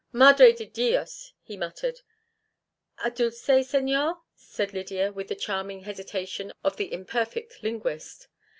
"Madre de Dios!" he muttered. "A dulce, señor?" said Lydia, with the charming hesitation of the imperfect linguist.